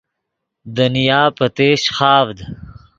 دنیا پتیشچ خاڤد